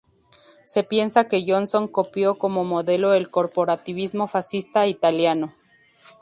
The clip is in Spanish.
Se piensa que Johnson copió como modelo el corporativismo fascista italiano.